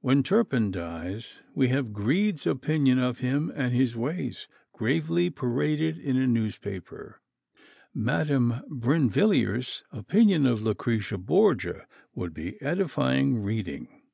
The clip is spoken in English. When Turpin dies, we have Greed's opinion of him and his ways gravely paraded in a newspaper. Madame Brinvilliers's opinion of Lucrezia Borgia would be edifying reading!